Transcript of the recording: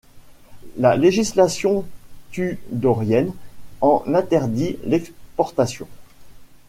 La législation tudorienne en interdit l’exportation.